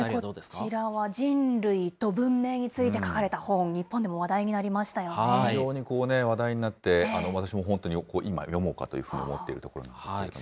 こちらは人類と文明について書かれた本、日本でも話題になり非常に話題になって、私も本当に今、読もうかというふうに思っているところですけれども。